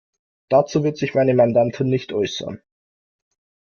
Dazu wird sich meine Mandantin nicht äußern.